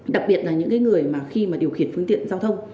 đặc biệt là những người mà khi mà điều khiển phương tiện giao thông